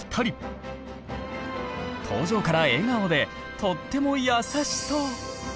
登場から笑顔でとってもやさしそう！